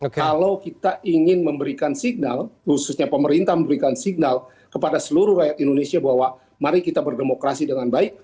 kalau kita ingin memberikan signal khususnya pemerintah memberikan signal kepada seluruh rakyat indonesia bahwa mari kita berdemokrasi dengan baik